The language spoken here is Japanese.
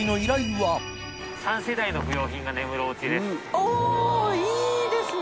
おぉいいですね。